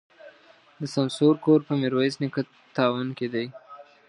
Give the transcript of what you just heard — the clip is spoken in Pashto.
د سمسور کور په ميروایس نیکه تاون کي دی.